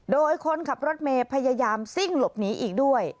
โดยคนขับรถเมย์พยายามซิ่งหลบหนีอีกด้วย